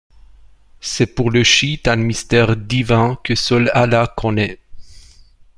C'est pour les chiites un mystère divin, que seul Allah connaît.